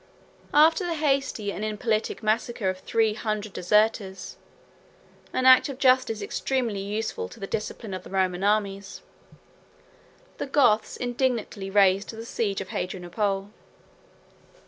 After the hasty and impolitic massacre of three hundred deserters, an act of justice extremely useful to the discipline of the Roman armies, the Goths indignantly raised the siege of Hadrianople.